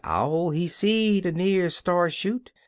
Owl, he seed a n'er star shoot.